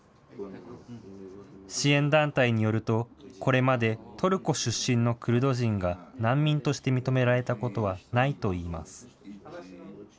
支援団体によると、これまで、トルコ出身のクルド人が、難民として認められたことはないといいます。